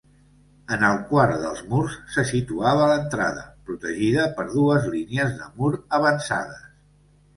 En el quart dels murs se situava l'entrada, protegida per dues línies de mur avançades.